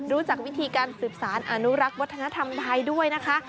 รู้จักวิธีการสืบสารอนุรักษ์วัฒนธรรมไทยด้วยนะคะ